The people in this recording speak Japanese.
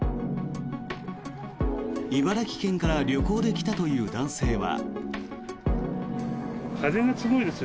茨城県から旅行で来たという男性は。